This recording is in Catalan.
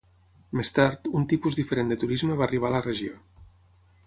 Més tard, un tipus diferent de turisme va arribar a la regió.